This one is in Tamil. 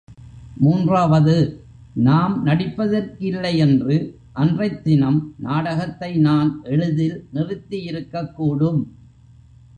மூன்றாவது, நாம் நடிப்பதற்கில்லையென்று அன்றைத்தினம் நாடகத்தை நான் எளிதில் நிறுத்தியிருக்கக்கூடும்.